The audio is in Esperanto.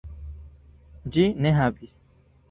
Ĝi ne havis.